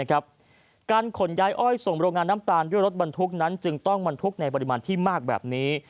การขนย้ายอ้อยส่งโรงงานน้ำตาลด้วยรถบรรทุกนั้นจึงต้องบรรทุกในปริมาณที่มากแบบนี้